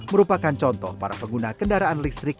merupakan contoh para pengguna kendaraan listrik